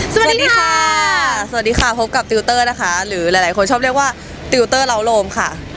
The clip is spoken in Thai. สวัสดีค่ะสวัสดีค่ะพบกับติวเตอร์นะคะหรือหลายคนชอบเรียกว่าติวเตอร์เล้าโลมค่ะ